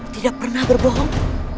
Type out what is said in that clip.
tidak pernah berbohong